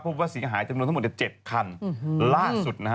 พบว่าสีหายจะถึงลงทั้งหมดเจ็บคันล่าสุดนะฮะ